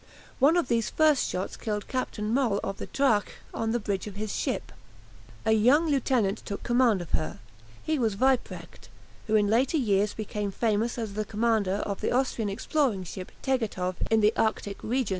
One of these first shots killed Captain Moll of the "Drache" on the bridge of his ship. A young lieutenant took command of her. He was Weiprecht, who in later years became famous as the commander of the Austrian exploring ship "Tegethoff" in the Arctic regions.